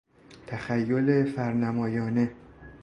تخیل فرنمایانه